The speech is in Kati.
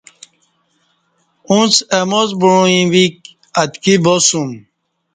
اُݩڅ اہ ماس بوعی ویک اتکی باسوم